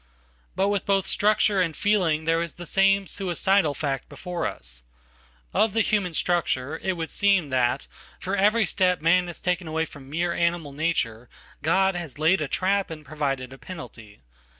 But with both structure andfeeling there is the same suicidal fact before us. Of the humanstructure it would seem that for every step man has, taken awayfrom mere animal nature God has laid a trap and provided a penalty.